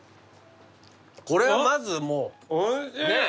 これはまずもうねっ。